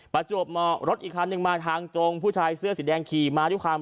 ประจวบเหมาะรถอีกครั้งหนึ่งมาทางจงผู้ชายเสื้อสีแดงขี่มาทุกครั้ง